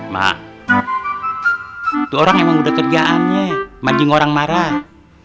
mak itu orang emang udah kerjaannya mancing orang marah